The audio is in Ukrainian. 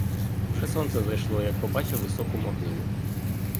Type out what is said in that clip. Вже сонце зайшло, як побачив високу могилу.